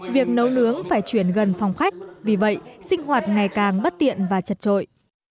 việc nấu nướng phải chuyển gần phòng khách vì vậy sinh hoạt ngày càng bất tiện và chật trội